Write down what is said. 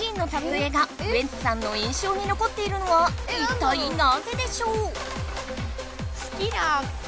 えいがウエンツさんの印象にのこっているのは一体なぜでしょう？